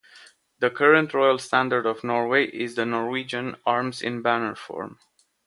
The current royal standard of Norway is the Norwegian arms in banner form.